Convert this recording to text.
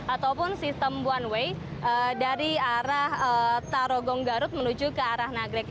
ataupun sistem one way dari arah tarogong garut menuju ke arah nagrek